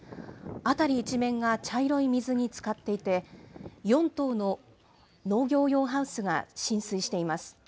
辺り一面が茶色い水につかっていて、４棟の農業用ハウスが浸水しています。